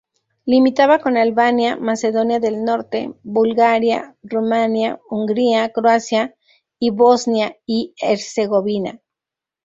Limitaba con Albania, Macedonia del Norte, Bulgaria, Rumania, Hungría, Croacia y Bosnia y Herzegovina.